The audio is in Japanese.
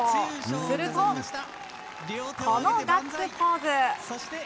すると、このガッツポーズ。